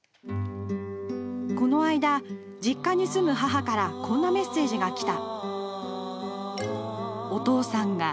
この間、実家に住む母からこんなメッセージがきた。